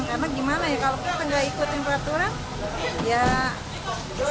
karena gimana ya kalau kita nggak ikutin peraturan